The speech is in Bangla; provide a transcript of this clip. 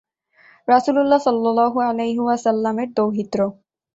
রাসূলুল্লাহ সাল্লাল্লাহু আলাইহি ওয়াসাল্লামের দৌহিত্র।